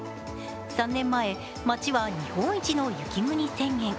３年前、町は日本一の雪国宣言。